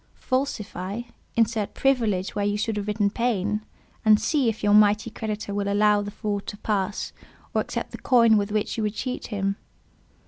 Falsify: insert "privilege" where you should have written "pain;" and see if your mighty creditor will allow the fraud to pass, or accept the coin with which you would cheat him.